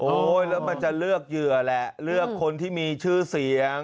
แล้วมันจะเลือกเหยื่อแหละเลือกคนที่มีชื่อเสียง